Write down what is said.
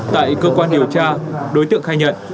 tại cơ quan điều tra đối tượng khai nhận